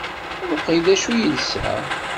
Mmuqqel d acu i yelsa!